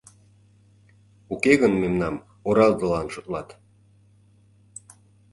Уке гын мемнам орадылан шотлат.